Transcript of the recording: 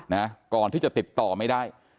นะก่อนที่จะติดต่อไม่ได้